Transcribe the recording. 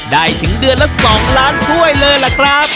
ถึงเดือนละ๒ล้านถ้วยเลยล่ะครับ